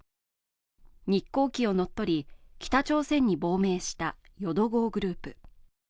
日航機を乗っ取り北朝鮮に亡命したよど号グループ。